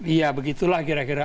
iya begitulah kira kira